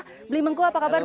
halo bagi baik